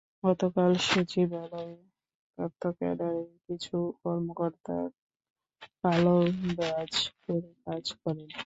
গতকাল সচিবালয়ে তথ্য ক্যাডারের কিছু কর্মকর্তা কালো ব্যাজ পরে কাজ করেন।